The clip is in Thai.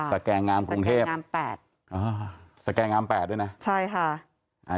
สแก่งามกรุงเทพงามแปดอ่าสแกงามแปดด้วยนะใช่ค่ะอ่า